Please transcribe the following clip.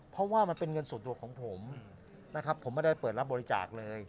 เพราะว่ามันเป็นเงินส่วนตัวของผมนะครับผมไม่ได้เปิดรับบริจาคเลย